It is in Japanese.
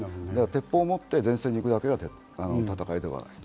鉄砲を持って前線に行くだけが戦いではない。